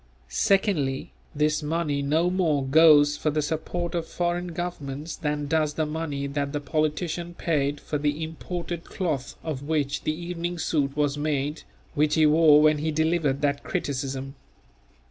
Secondly, this money no more goes for the support of foreign governments than does the money that the politician paid for the imported cloth of which the evening suit was made which he wore when he delivered that criticism.